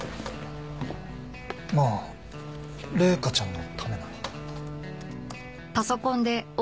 まあ麗華ちゃんのためなら。